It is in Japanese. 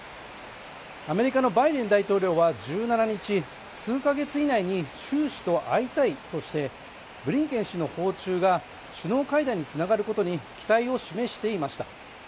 アメリカのバイデン大統領は１７日、数か月以内に習氏と会いたいとしてブリンケン氏の訪中が首脳会談につながることに期待を示していました。